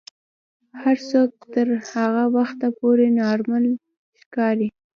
هر څوک تر هغه وخته پورې نورمال ښکاري.